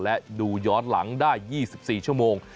และดูย้อนหลังได้๒๔ชั่วโมง